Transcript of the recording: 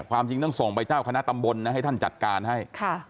ความจริงต้องส่งไปเจ้าคณะตำบลนะให้ท่านจัดการให้